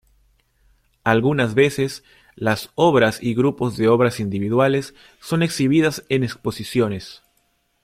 Algunas veces las obras y grupos de obras individuales son exhibidas en exposiciones.